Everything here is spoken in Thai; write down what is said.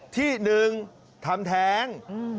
ที่๑ทำแท้ง